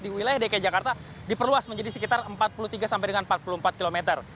di wilayah dki jakarta diperluas menjadi sekitar empat puluh tiga sampai dengan empat puluh empat kilometer